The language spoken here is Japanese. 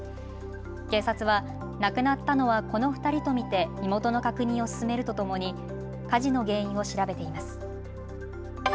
警察は亡くなったのはこの２人と見て身元の確認を進めるとともに火事の原因を調べています。